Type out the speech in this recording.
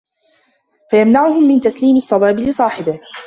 فَيَمْنَعَهُمْ مِنْ تَسْلِيمِ الصَّوَابِ لِصَاحِبِهِ